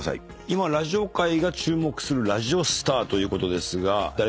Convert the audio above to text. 今ラジオ界が注目するラジオスターということですが。